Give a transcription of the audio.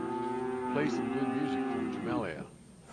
Play some good music from Jamelia.